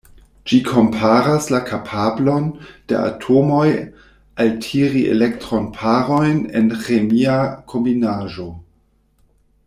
Ĝi komparas la kapablon de atomoj altiri elektron-parojn en ĥemia kombinaĵo.